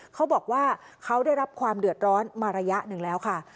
เขาบอกว่าเขาได้รับความเดือดร้อนมาระยะหนึ่งแล้วค่ะ